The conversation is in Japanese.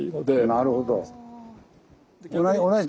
なるほど。